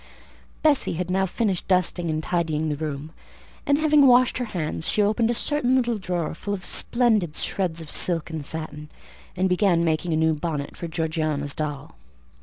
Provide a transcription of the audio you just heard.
Bessie had now finished dusting and tidying the room, and having washed her hands, she opened a certain little drawer, full of splendid shreds of silk and satin, and began making a new bonnet for Georgiana's doll.